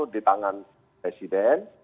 di tangan presiden